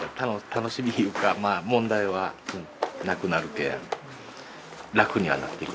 楽しみというかまあ問題はなくなるけん楽にはなりますよね。